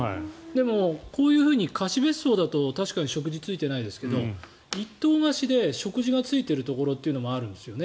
でも、こういうふうに貸別荘だと食事ついていないですが一棟貸しで食事がついているところもあるんです。